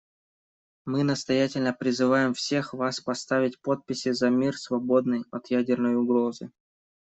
Мы настоятельно призываем всех вас поставить подписи за мир, свободный от ядерной угрозы.